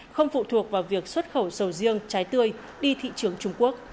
không phụ thuộc vào việc xuất khẩu sầu riêng trái tươi đi thị trường trung quốc